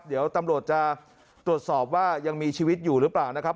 เดี๋ยวตำรวจจะตรวจสอบว่ายังมีชีวิตอยู่หรือเปล่านะครับ